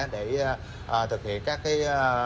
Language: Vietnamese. để thực hiện các dự án